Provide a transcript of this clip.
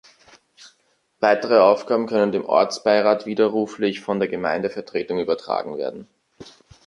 Weitere Aufgaben können dem Ortsbeirat widerruflich von der Gemeindevertretung übertragen werden.